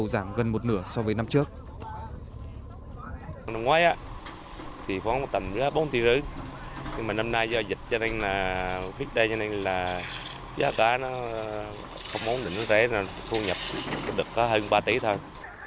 giá cá không ổn định thế nên thu nhập có hơn ba tỷ thôi